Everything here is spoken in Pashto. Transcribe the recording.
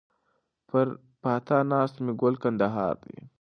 پر پاتا ناست مي ګل کندهار دی